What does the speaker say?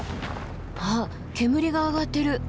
あっ煙が上がってる。